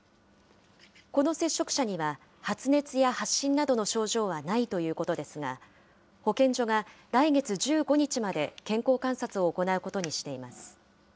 この接触者には発熱や発疹などの症状はないということですが、保健所が来月１５日まで健康観察を行うことにしています。